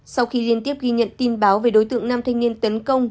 sau khi liên tiếp ghi nhận tin báo về đối tượng nam thanh niên tấn công